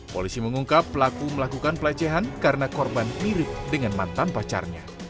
polisi mengungkap pelaku melakukan pelecehan karena korban mirip dengan mantan pacarnya